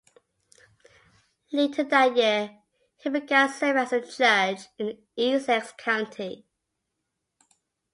Later that year he began serving as a judge in Essex County.